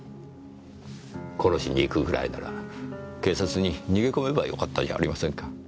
殺しに行くぐらいなら警察に逃げ込めばよかったじゃありませんか。